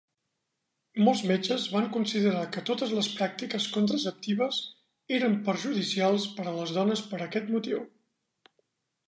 Molts metges van considerar que totes les pràctiques contraceptives eren perjudicials per a les dones per aquest motiu.